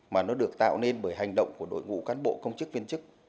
mà nó được tạo nên bởi hành động của đội ngũ cán bộ công chức viên chức